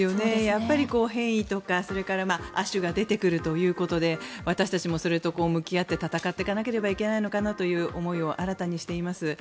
やっぱり変異とか亜種が出てくるということで私たちもそれと向き合って闘っていかなければいけないのかなという思いを新たにしています。